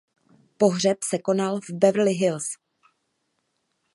Pohřeb se konal v Beverly Hills.